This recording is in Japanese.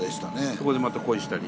そこでまた恋したり。